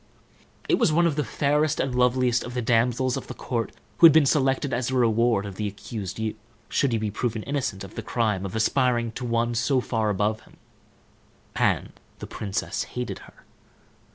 It was one of the fairest and loveliest of the damsels of the court who had been selected as the reward of the accused youth, should he be proved innocent of the crime of aspiring to one so far above him; and the princess hated her.